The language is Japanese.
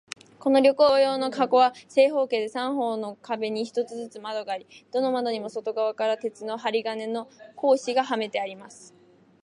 この旅行用の箱は、正方形で、三方の壁に一つずつ窓があり、どの窓にも外側から鉄の針金の格子がはめてあります。